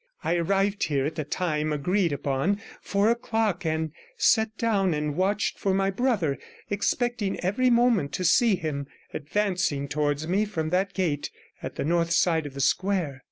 I arrived here at the time agreed upon, four o'clock, and sat down and watched for my brother, expecting every moment to see him advancing towards me from that gate at the north side of the square.